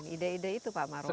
ide ide itu pak maruf